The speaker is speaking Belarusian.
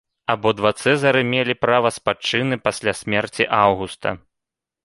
Абодва цэзары мелі права спадчыны пасля смерці аўгуста.